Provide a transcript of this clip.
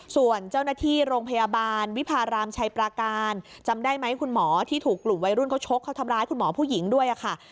ส่วนเจ้าหน้าที่โรงพยาบาลวิพารามชัยปราการจำได้ไหมคุณหมอที่ถูกกลุ่มวัยรุ่นเขาชกเขาทำร้ายคุณหมอผู้หญิงด้วยค่ะ